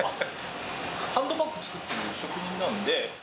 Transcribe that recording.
ハンドバッグを作ってる職人なんで。